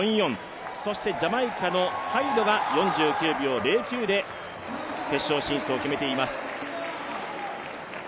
そしてジャマイカのハイドが４９秒０９で決勝進出を決めています。